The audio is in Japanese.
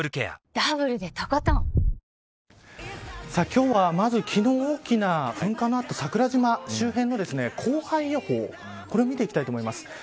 今日はまず、昨日大きな噴火の後、桜島周辺の降灰予報、これを見ていきたいと思います。